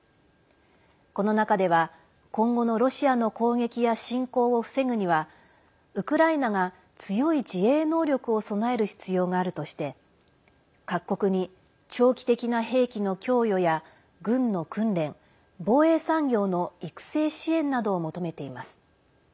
この中では、今後のロシアの攻撃や侵攻を防ぐにはウクライナが強い自衛能力を備える必要があるとして各国に、長期的な兵器の供与や軍の訓練防衛産業の育成支援などを求めています。